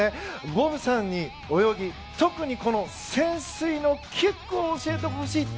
ボブさんに泳ぎ特に潜水のキックを教えてほしいと。